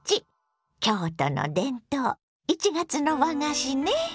京都の伝統１月の和菓子ね。